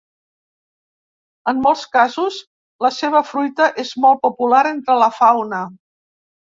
En molts casos la seva fruita és molt popular entre la fauna.